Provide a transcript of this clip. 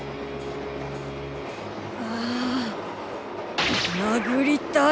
ああ殴りたい！